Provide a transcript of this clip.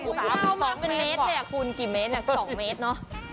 คูณมี๒เมตรเหรอคูณกี่เมตรค่ะ๒เมตรเนอะ